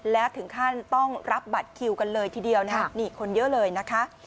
แล้วถึงขั้นต้องรับบัตรคิวกันเลยทีเดียวนี่คนเยอะเลยนะคะ